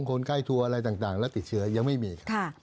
คนไข้ทัวร์อะไรต่างแล้วติดเชื้อยังไม่มีครับ